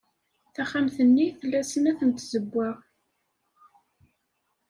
Taxxamt-nni tla snat n tzewwa.